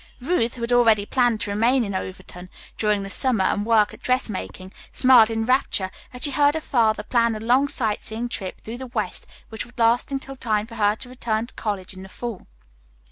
Ruth, who had already planned to remain in Overton during the summer and work at dressmaking, smiled in rapture as she heard her father plan a long sight seeing trip through the west which would last until time for her return to college in the fall.